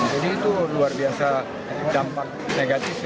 jadi itu luar biasa dampak negatif